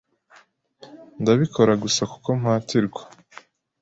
Ndabikora gusa kuko mpatirwa.